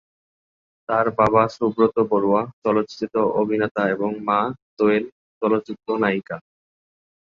তার বাবা সুব্রত বড়ুয়া চলচ্চিত্র অভিনেতা এবং মা দোয়েল চলচ্চিত্র নায়িকা।